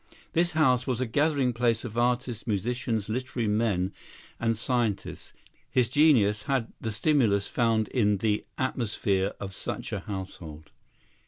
This house was a gathering place of artists, musicians, literary men and scientists; his genius had the stimulus found in the "atmosphere" of such a household.